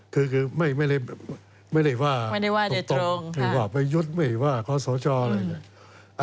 คือไม่ได้ว่าตรงไม่ได้ว่าประยุทธ์ไม่ได้ว่าข้อสอชอบอะไรอย่างนี้